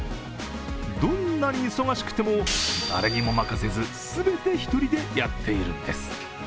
どんなに忙しくても誰にも任せず、全て１人でやっているんです。